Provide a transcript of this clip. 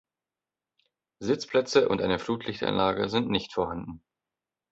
Sitzplätze und eine Flutlichtanlage sind nicht vorhanden.